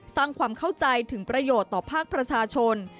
สร้างความเข้าใจถึงประโยชน์ต่อภาคประชาชน